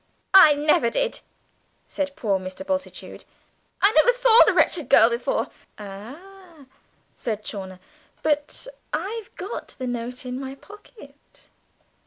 "I never did!" said poor Mr. Bultitude, "I never saw the wretched girl before." "Ah!" said Chawner, "but I've got the note in my pocket!